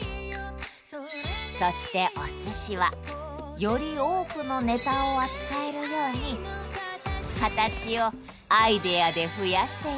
そしておすしはより多くのネタを扱えるようにカタチをアイデアで増やしていくの。